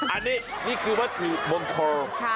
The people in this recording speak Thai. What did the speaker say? อันนี้นี่คือว่าคือมงคล